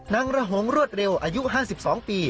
ระหงรวดเร็วอายุ๕๒ปี